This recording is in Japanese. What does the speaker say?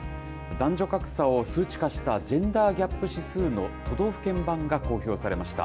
男女格差を数値化したジェンダー・ギャップ指数の都道府県版が公表されました。